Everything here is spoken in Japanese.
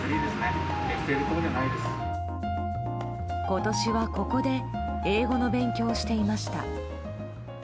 今年はここで英語の勉強をしていました。